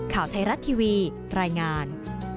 ข่าวไทยรัฐทีวีรายงาน